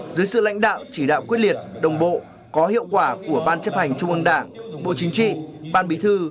dưới sự lãnh đạo chỉ đạo quyết liệt đồng bộ có hiệu quả của ban chấp hành trung ương đảng bộ chính trị ban bí thư